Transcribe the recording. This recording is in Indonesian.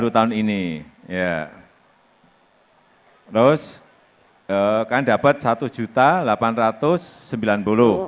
terus kan dapat rp satu delapan ratus sembilan puluh